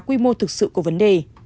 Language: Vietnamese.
quy mô thực sự của vấn đề